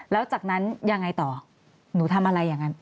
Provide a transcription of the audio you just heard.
แล้วจากนั้นยังไงต่อหนูทำอะไรอย่างนั้น